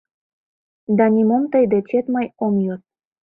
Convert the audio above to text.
Да нимом тый дечет мый ом йод.